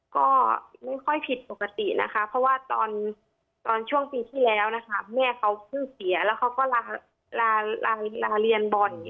ก็ไม่ค่อยผิดปกตินะคะเพราะว่าตอนช่วงปีที่แล้วนะคะแม่เขาชื่อเสียแล้วเขาก็ลาเรียนบอล